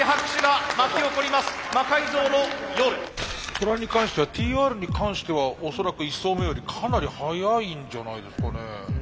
トラに関してはＴＲに関しては恐らく１走目よりかなり速いんじゃないですかね。